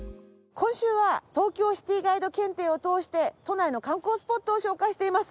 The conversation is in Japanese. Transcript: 今週は東京シティガイド検定を通して都内の観光スポットを紹介しています。